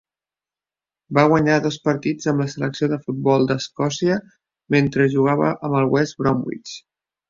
Va guanyar dos partits amb la selecció de futbol d'Escòcia mentre jugava amb el West Bromwich.